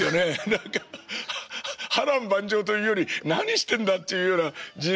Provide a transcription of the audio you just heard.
何か波乱万丈というより何してんだっていうような人生でしたけど。